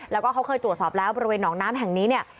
แล้วก็เขาเคยตรวจสอบแล้วบริเวณหนองน้ำแห่งนี้เนี่ย